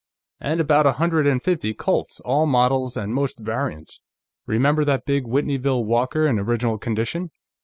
And about a hundred and fifty Colts, all models and most variants. Remember that big Whitneyville Walker, in original condition?